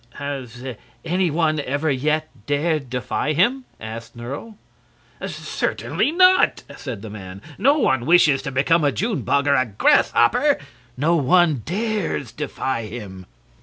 "Has any one ever yet dared defy him?" asked Nerle. "Certainly not!" said the man. "No one wishes to become a June bug or a grasshopper. No one dares defy him.".